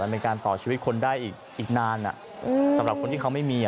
เป็นการต่อชีวิตคนได้อีกนานสำหรับคนที่เขาไม่มี